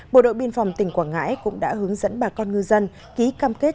bộ đội biên phòng tỉnh quảng ngãi cũng đã hướng dẫn bà con ngư dân ký cam kết